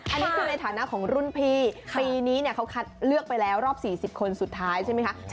อันนี้คือในฐานะของรุ่นพี่ปีนี้เขาคัดเลือกไปแล้วรอบ๔๐คนสุดท้ายใช่ไหมคะ